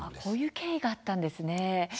そういう経緯があったんですね。